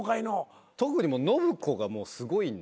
特に信子がもうすごいんで。